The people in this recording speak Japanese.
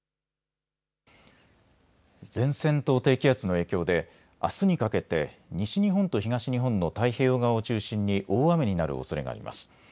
前線と低気圧の影響であすにかけて西日本と東日本の太平洋側を中心に大雨になるおそれがあります。